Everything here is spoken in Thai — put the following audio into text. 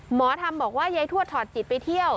หมอธรรมบอกว่ายายทวดถอดจิตไปเที่ยว